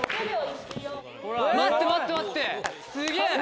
待って待って待って、すげぇ。